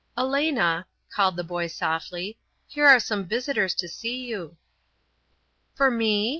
"Elena," called the boy softly; "here are some visitors to see you." "For me?"